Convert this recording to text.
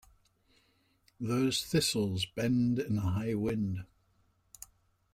Those thistles bend in a high wind.